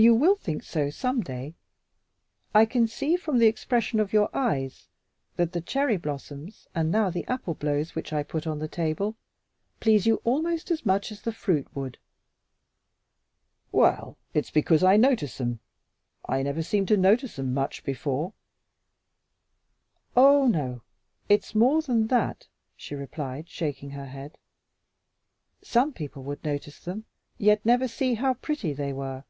"You will think so some day. I can see, from the expression of your eyes, that the cherry blossoms and now the apple blows which I put on the table please you almost as much as the fruit would." "Well, it's because I notice 'em. I never seemed to notice 'em much before." "Oh, no! It's more than that," she replied, shaking her head. "Some people would notice them, yet never see how pretty they were."